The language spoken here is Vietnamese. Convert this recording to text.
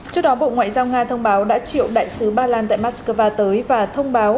trước đó bộ ngoại giao nga thông báo đã triệu đại sứ ba lan tại moscow tới và thông báo